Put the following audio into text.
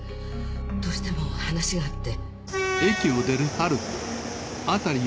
どうしても話があって。